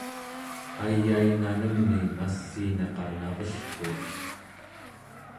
ayainanemni massiinaqa navellruuq